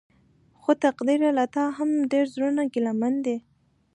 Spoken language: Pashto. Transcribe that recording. خو تقديره له تا هم ډېر زړونه ګيلمن دي.